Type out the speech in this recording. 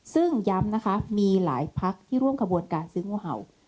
ซึ่งย้ำนะคะมีหลายพักที่ร่วมขบวนการซื้องูเห่า